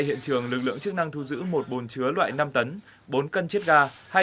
hiện trường lực lượng chức năng thu giữ một bồn chứa loại năm tấn bốn cân chiếc ga